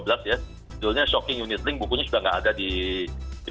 bukunya shocking unit ring bukunya sudah nggak ada di